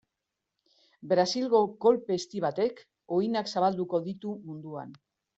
Brasilgo kolpe ezti batek uhinak zabalduko ditu munduan.